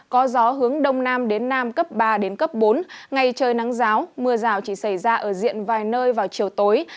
có gió hướng đông nam đến nam cấp ba đến cấp bốn ngày trời nắng giáo mưa rào chỉ xảy ra ở diện vài nơi vào chiều tối